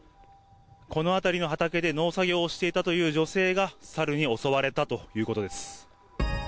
この辺りの畑で農作業をしていたという女性がサルに襲われたということです。